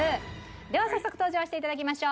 では早速登場していただきましょう。